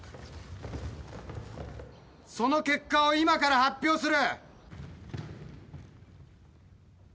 その結果を今から発表する！